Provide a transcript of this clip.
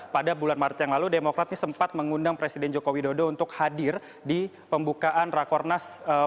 pada bulan maret yang lalu demokrat ini sempat mengundang presiden jokowi dodo untuk hadir di pembukaan rakornas partai demokrat ini